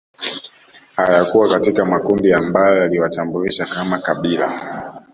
Hayakuwa katika makundi ambayo yaliwatambulisha kama kabila